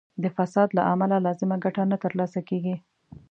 د فساد له امله لازمه ګټه نه تر لاسه کیږي.